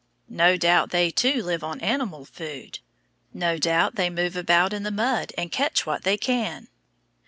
No doubt they, too, live on animal food. No doubt they move about in the mud and catch what they can.